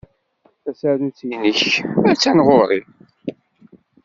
Tasarut-nnek attan ɣur-i.